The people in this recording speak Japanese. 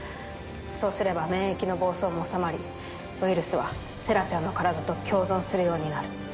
そうすれば免疫の暴走も収まりウイルスは星来ちゃんの体と共存するようになる。